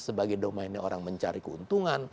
sebagai domainnya orang mencari keuntungan